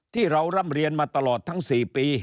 ที่เราร่ำเรียนมาตลอดทั้ง๔ปี